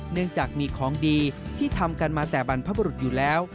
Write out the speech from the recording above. เนื่องจากมีของดีที่ทำกันมาแต่บรรพบุรุษอยู่แล้ว